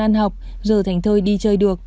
ăn học giờ thành thơi đi chơi được